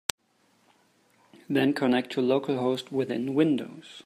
Then connect to localhost within Windows.